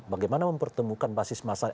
bagaimana mempertemukan basis masa